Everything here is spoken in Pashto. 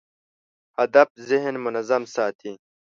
هدف ذهن منظم ساتي.